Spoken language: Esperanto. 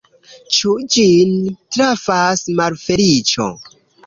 Ĉu ĝin trafas malfeliĉo?